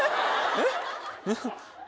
えっ？